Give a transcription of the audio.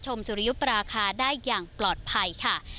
สุริยุปราคาได้อย่างปลอดภัยค่ะ